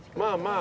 あ！